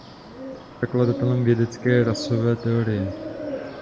Je zakladatelem vědecké rasové teorie.